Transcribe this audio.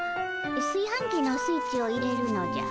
すいはんきのスイッチを入れるのじゃ。